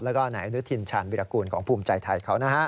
และก็นายนุธินชาญวิรกุลของภูมิใจไทยเขานะครับ